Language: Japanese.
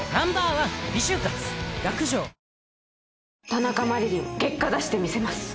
田中麻理鈴結果出してみせます。